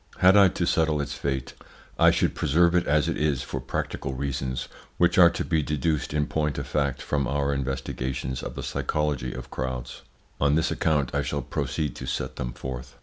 Had I to settle its fate, I should preserve it as it is for practical reasons, which are to be deduced in point of fact from our investigation of the psychology of crowds. On this account I shall proceed to set them forth.